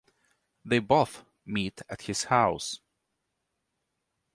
They both meet at his house.